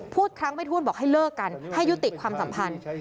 พูดครั้งไม่ทวนบอกให้เลิกกันให้ยุติความสัมพันธ์